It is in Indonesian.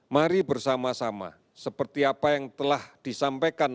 mari bersama sama seperti apa yang telah disampaikan